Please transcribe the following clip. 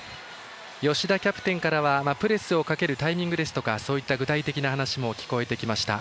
吉田キャプテンからはプレスをかけるタイミングですとかそういった具体的な話も聞こえてきました。